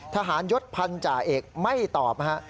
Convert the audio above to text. ทหารยศพันธาเอกไม่ตอบนะฮะ